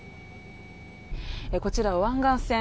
こちら、湾岸線。